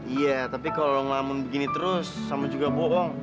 iya tapi kalau ngomongin begini terus sama juga bohong